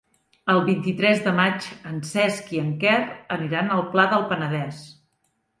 El vint-i-tres de maig en Cesc i en Quer aniran al Pla del Penedès.